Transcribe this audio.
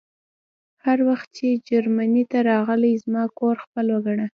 هر وخت چې جرمني ته راغلې زما کور خپل وګڼه